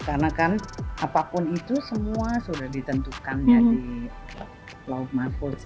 karena kan apapun itu semua sudah ditentukan di lauk makhluk